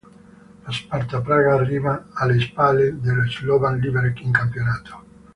Lo Sparta Praga arriva alle spalle dello Slovan Liberec in campionato.